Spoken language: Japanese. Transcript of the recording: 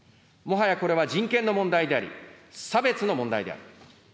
もはやこれは人権の問題であり、差別の問題である。